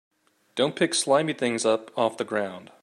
Don't pick slimy things up off the ground.